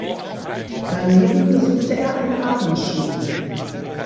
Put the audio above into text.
Daneben besuchte er eine Abendschule.